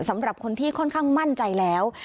สำหรับคนที่ค่อนข้างมั่นใจแล้ว